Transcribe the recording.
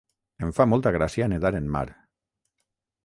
Em fa molta gràcia nedar en mar.